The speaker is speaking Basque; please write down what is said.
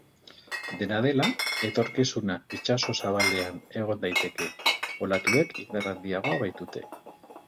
Dena dela, etorkizuna itsaso zabalean egon daiteke, olatuek indar handiagoa baitute.